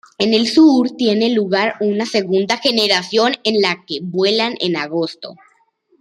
En el sur tiene lugar una segunda generación, en la que vuelan en Agosto.